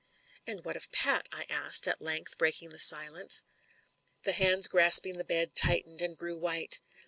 "And what of Pat?" I asked, at length breaking the silence. The hands grasping the bed tightened, and grew white.